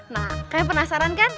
nah kalian penasaran kan